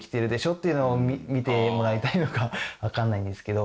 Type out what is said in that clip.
っていうのを見てもらいたいのかわかんないんですけど。